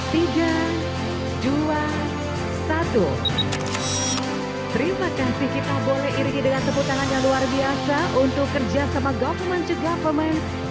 terima kasih kita boleh iriki dengan sebutan yang luar biasa untuk kerja sama government to government